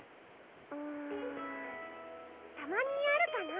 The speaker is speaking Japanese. うんたまにあるかな。